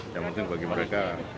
yang penting bagi mereka